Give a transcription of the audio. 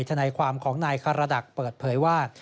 ทนายความของนายคารดักเปิดเผยว่า